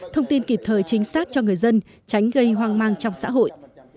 thông tin kịp thời chính xác cho người dân tránh gây hoang mang trong xã hội